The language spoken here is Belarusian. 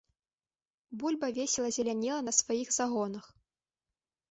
Бульба весела зелянела на сваіх загонах.